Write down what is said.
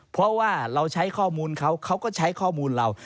เพราะว่าเราใช้ข้อมูลเขาเขาก็ใช้ข้อมูลเรา